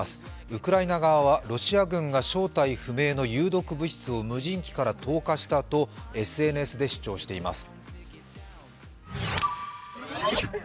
ウクライナ側はロシア軍が正体不明の有毒物質を無人機から投下したとＳＮＳで主張しています。